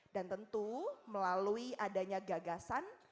dan tentu melalui adanya gagasan